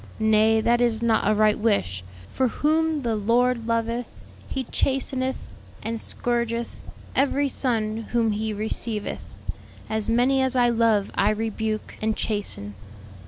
Nay, that is not a right wish, for 'whom the Lord loveth He chasteneth, and scourgeth every son whom He receiveth.' 'As many as I love I rebuke and chasten.'"